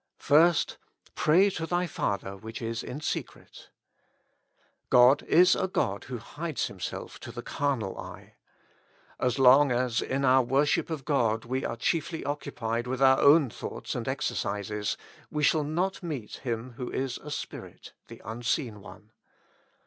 First, '■'Pray to thy Father which is in secrety God is a God who hides Himself to the carnal eye. As long as in our worship of God we are chiefly occupied with our own thoughts and exercises, we shall not meet Him who is a Spirit, the unseen One.